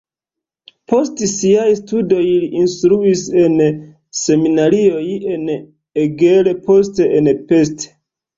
Post siaj studoj li instruis en seminarioj en Eger, poste en Pest.